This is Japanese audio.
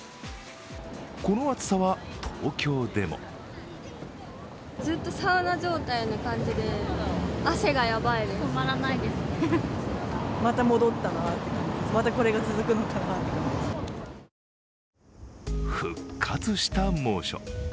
この暑さは東京でも復活した猛暑。